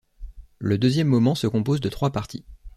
Le deuxième moment se compose de trois parties.